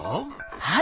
はい！